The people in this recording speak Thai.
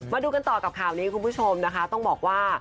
มาดูกันต่อกับข่าวนี้คุณผู้ชมนะคะต้องบอกว่า